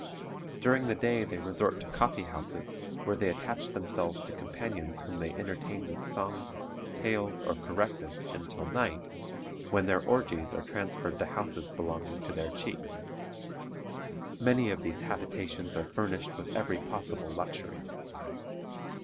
During the day they resort to coffee houses, where they attach themselves to companions whom they entertain with songs, tales, or caresses until night, when their orgies are transferred to houses belonging to their chiefs. Many of these habitations are furnished with every possible luxury.